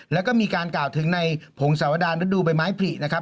แล้วก็มีการกล่าวถึงในผงสาวดารฤดูใบไม้ผลินะครับ